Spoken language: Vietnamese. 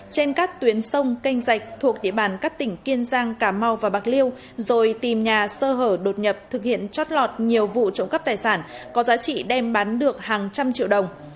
trên các tuyến sông canh rạch thuộc địa bàn các tỉnh kiên giang cà mau và bạc liêu rồi tìm nhà sơ hở đột nhập thực hiện trót lọt nhiều vụ trộm cắp tài sản có giá trị đem bán được hàng trăm triệu đồng